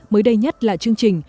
mới đây nhất là chương trình